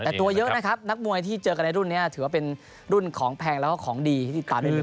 แต่ตัวเยอะนะครับนักมวยที่เจอกันในรุ่นนี้ถือว่าเป็นรุ่นของแพงแล้วก็ของดีที่ติดตามได้เลย